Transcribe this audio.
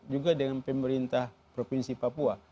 juga dengan pemerintah provinsi papua